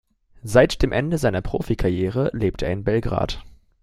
Seit dem Ende seiner Profikarriere lebt er in Belgrad.